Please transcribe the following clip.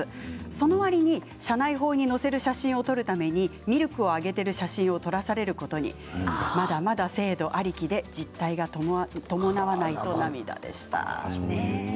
そのわりに社内報に載せる写真を撮るためにミルクをあげている写真を撮らされることにまだまだ制度ありきで実態が伴わないと涙でした。